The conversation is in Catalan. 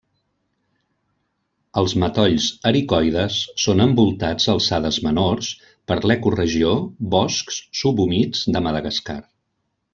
Els matolls ericoides són envoltats a alçades menors per l'ecoregió Boscs subhumits de Madagascar.